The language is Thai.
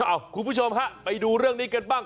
คุณผู้ชมฮะไปดูเรื่องนี้กันบ้าง